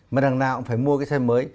mà đằng nào cũng phải mua cái xe mới